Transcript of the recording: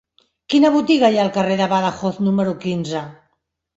Quina botiga hi ha al carrer de Badajoz número quinze?